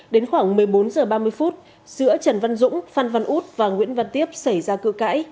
đến khoảng một mươi bốn h ba mươi phút giữa trần văn dũng phan văn út và nguyễn văn tiếp xảy ra cự cãi